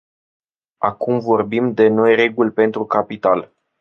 Acum vorbim de noi reguli pentru capital.